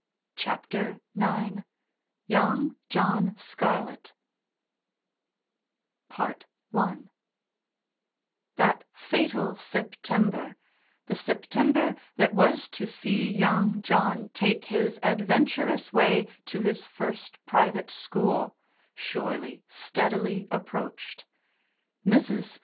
CHAPTER IX YOUNG JOHN SCARLETT I That fatal September the September that was to see young John take his adventurous way to his first private school surely, steadily approached. Mrs.